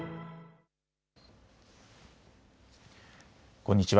こんにちは。